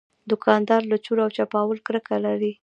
دوکاندار له چور او چپاول کرکه لري.